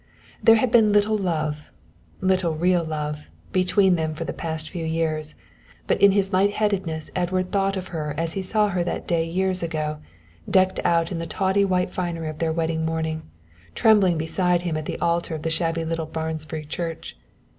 There had been little love, little real love, between them for the past few years, but in his light headedness Edward thought of her as he saw her that day years ago, decked out in the tawdry white finery of their wedding morning, trembling beside him at the altar of the shabby little Barnsbury church.